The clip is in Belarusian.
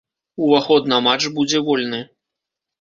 Уваход на матч будзе вольны.